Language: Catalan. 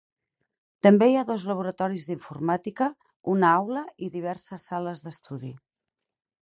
També hi ha dos laboratoris d'informàtica, una aula i diverses sales d'estudi.